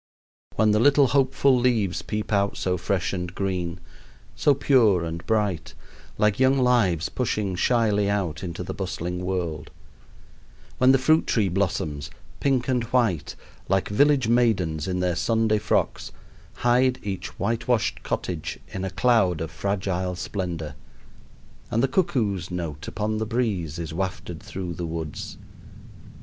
When the little hopeful leaves peep out so fresh and green, so pure and bright, like young lives pushing shyly out into the bustling world; when the fruit tree blossoms, pink and white, like village maidens in their Sunday frocks, hide each whitewashed cottage in a cloud of fragile splendor; and the cuckoo's note upon the breeze is wafted through the woods!